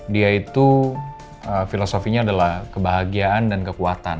dia itu filosofinya adalah kebahagiaan dan kekuatan